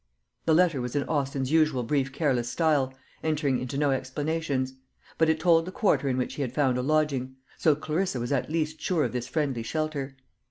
The letter was in Austin's usual brief careless style, entering into no explanations; but it told the quarter in which he had found a lodging; so Clarissa was at least sure of this friendly shelter.